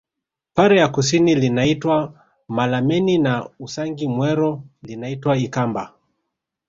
Pare ya kusini linaitwa Malameni na Usangi Mwero linaitwa Ikamba